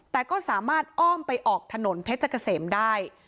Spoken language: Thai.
แต่ก็สามารถอ้อมไปออกถนนเพชรเกษมได้